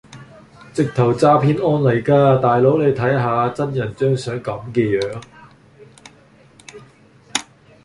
直頭詐騙案嚟㗎大佬你睇吓真人張相咁嘅樣